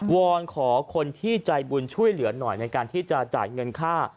อนขอคนที่ใจบุญช่วยเหลือหน่อยในการที่จะจ่ายเงินค่า